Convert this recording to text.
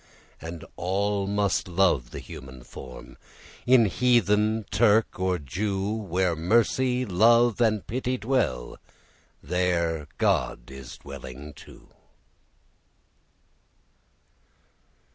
And all must love the human form, In heathen, Turk, or Jew. Where Mercy, Love, and Pity dwell, There God is dwelling too.